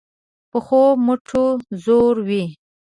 پخو مټو زور وي